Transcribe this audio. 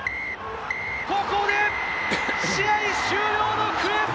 ここで試合終了の笛。